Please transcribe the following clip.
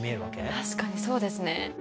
確かにそうですね